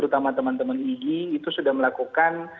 terutama teman teman igi itu sudah melakukan